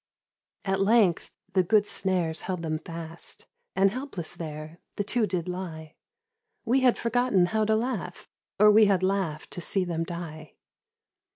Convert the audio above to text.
At length the good snares held them fast And helpless there the two did lie, We had forgotten how to laugh Or we had laughed to see them die.